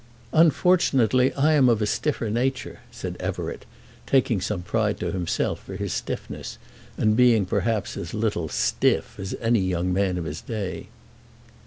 "Unfortunately I am of a stiffer nature," said Everett, taking some pride to himself for his stiffness, and being perhaps as little "stiff" as any young man of his day.